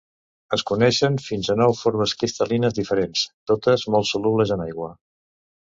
Es coneixen fins a nou formes cristal·lines diferents, totes molt solubles en aigua.